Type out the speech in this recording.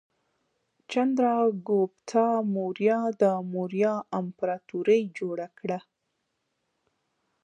چندراګوپتا موریا د موریا امپراتورۍ جوړه کړه.